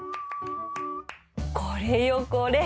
これよこれ